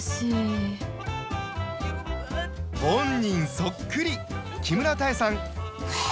そっくり木村多江さん